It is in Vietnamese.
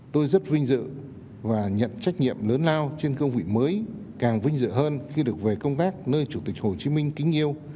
tôi rất vinh dự và nhận trách nhiệm lớn lao trên cương vị mới càng vinh dự hơn khi được về công tác nơi chủ tịch hồ chí minh kính yêu